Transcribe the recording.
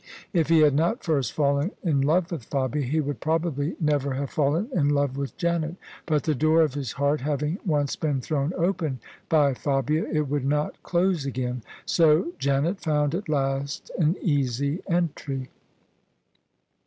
If he had not first fallen in love with Fabia, he would probably never have fallen in love with Janet: but the door of his heart having once been thrown open by Fabia, it would not dose again ; so Janet found at last an easy entry.